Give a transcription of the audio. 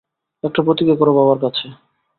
একটা প্রতিজ্ঞা করো বাবার কাছে।